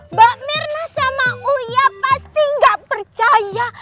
mbak mirna sama uya pasti gak percaya